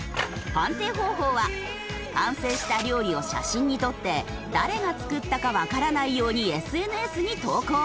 判定方法は完成した料理を写真に撮って誰が作ったかわからないようにＳＮＳに投稿。